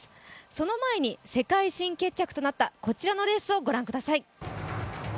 その前に、世界新決着となった、こちらのレースをご覧ください。